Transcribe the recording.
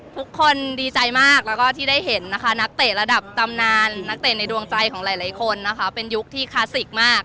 ทุกคนดีใจมากแล้วก็ที่ได้เห็นนะคะนักเตะระดับตำนานนักเตะในดวงใจของหลายคนนะคะเป็นยุคที่คลาสสิกมาก